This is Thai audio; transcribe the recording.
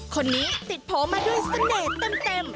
คนนี้ติดโผล่มาด้วยเสน่ห์เต็ม